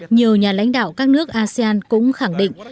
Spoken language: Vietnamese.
nhiều nhà lãnh đạo các nước asean cũng khẳng định